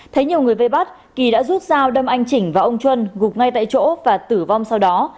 thấy nhiều người vây bắt kỳ đã rút dao đâm anh chỉnh và ông trân gục ngay tại chỗ và tử vong sau đó